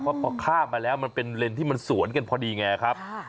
เพราะพอข้ามมาแล้วมันเป็นเลนที่มันสวนกันพอดีไงครับ